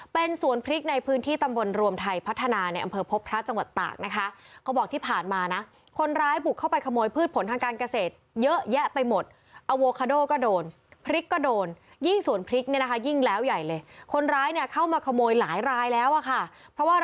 เป็นสวนพริกในพื้นที่ตำบลรวมไทยพัฒนาเนี่ยอำเภอพบพระจังหวัดตากนะคะ